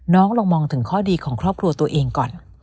ลองมองถึงข้อดีของครอบครัวตัวเองก่อน